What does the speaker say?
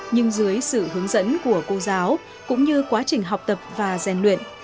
nhưng dưới sự hướng dẫn của cô giáo cũng như quá trình học tập và gian luyện